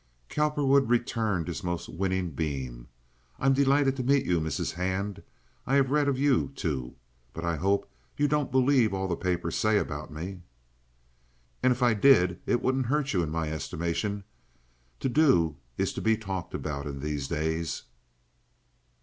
Cowperwood returned his most winning beam. "I'm delighted to meet you, Mrs. Hand. I have read of you, too. But I hope you don't believe all the papers say about me." "And if I did it wouldn't hurt you in my estimation. To do is to be talked about in these days."